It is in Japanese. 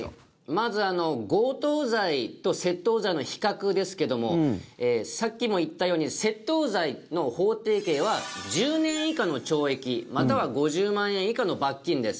まず強盗罪と窃盗罪の比較ですけどもさっきも言ったように窃盗罪の法定刑は１０年以下の懲役または５０万円以下の罰金です。